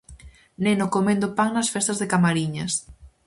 Neno comendo pan nas festas de Camariñas.